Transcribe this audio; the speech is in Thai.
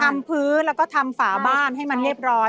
ทำพื้นแล้วก็ทำฝาบ้านให้มันเรียบร้อย